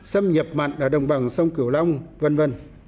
xâm nhập mặn ở đồng bằng sông cửu long v v